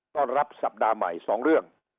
ต้อนรับสัปดาห์ใหม่๒เรื่อง